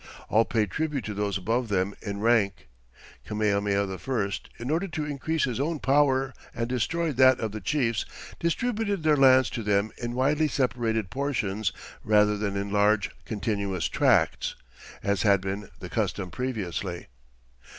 All paid tribute to those above them in rank. Kamehameha I, in order to increase his own power and destroy that of the chiefs, distributed their lands to them in widely separated portions rather than in large, continuous tracts, as had been the custom previously.